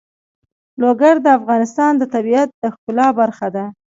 لوگر د افغانستان د طبیعت د ښکلا برخه ده.